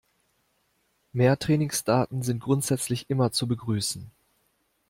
Mehr Trainingsdaten sind grundsätzlich immer zu begrüßen.